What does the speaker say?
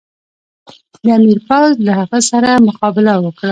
د امیر پوځ له هغه سره مقابله وکړه.